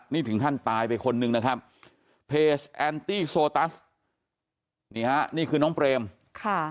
นี่ถึงขั้นตายไปคนนึงนะครับเพจแอนตี้โซตัสนี่ฮะนี่คือน้องเปรมค่ะ